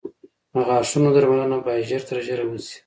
د غاښونو درملنه باید ژر تر ژره وشي.